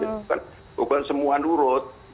bukan semua nurut